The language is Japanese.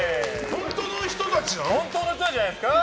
本当の人じゃないですか？